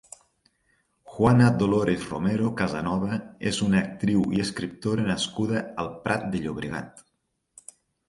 Juana Dolores Romero Casanova és una actriu i escriptora nascuda al Prat de Llobregat.